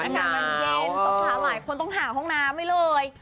อากาศมันเย็นสาวหลายคนต้องหาห้องน้ำไว้เลย